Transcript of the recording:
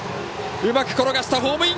うまく転がしてホームイン！